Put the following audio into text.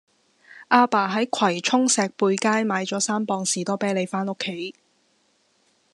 亞爸喺葵涌石貝街買左三磅士多啤梨返屋企